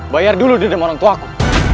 bayar dulu dendam orangtuaku